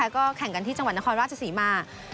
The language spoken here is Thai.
ก็แข่งกันที่ระเจสีมา